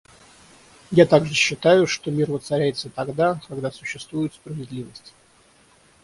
Я также считаю, что мир воцаряется тогда, когда существует справедливость...